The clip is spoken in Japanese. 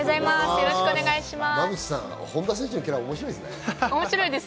よろしくお願いします。